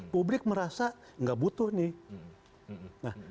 publik merasa nggak butuh nih